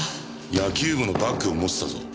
野球部のバッグを持ってたぞ。